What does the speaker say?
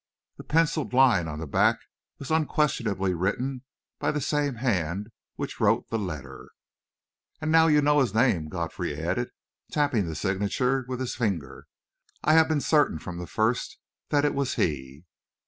The pencilled line on the back was unquestionably written by the same hand which wrote the letter. "And now you know his name," Godfrey added, tapping the signature with his finger. "I have been certain from the first that it was he!"